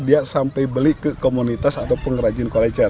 dia sampai beli ke komunitas atau pengrajin kolecer